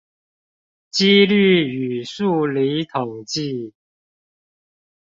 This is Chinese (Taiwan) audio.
機率與數理統計